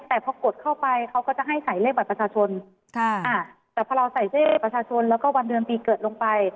แต่พอกดเข้าไปเขาก็จะให้ใส่เลขบัตรประชาชนแต่พอเราใส่เสื้อประชาชนแล้วก็วันเดือนปีเกิดลงไป